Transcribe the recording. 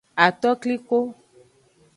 Atokliko.